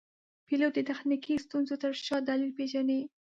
پیلوټ د تخنیکي ستونزو تر شا دلیل پېژني.